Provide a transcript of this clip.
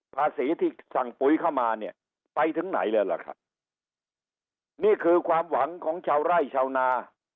ภาษีที่สั่งปุ๋ยเข้ามาเนี่ยไปถึงไหนแล้วล่ะครับนี่คือความหวังของชาวไร่ชาวนา